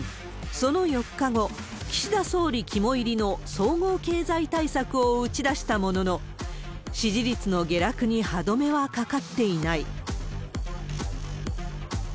その４日後、岸田総理肝煎りの総合経済対策を打ち出したものの、支持率の下落に歯止めはかかっていない。